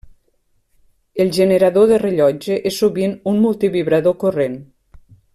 El generador de rellotge és sovint un multivibrador corrent.